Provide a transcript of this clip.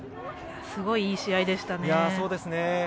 すごい、いい試合でしたね。